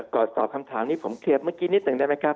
ตอบคำถามนี้ผมเคลียร์เมื่อกี้นิดหนึ่งได้ไหมครับ